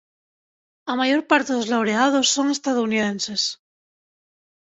A maior parte dos laureados son estadounidenses.